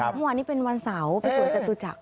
เมื่อวานนี้เป็นวันเสาร์ไปสวนจตุจักร